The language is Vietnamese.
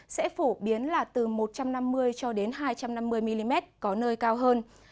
sẽ phổ biến là từ một trăm năm mươi cho đến hai trăm năm mươi mm có nơi cao hơn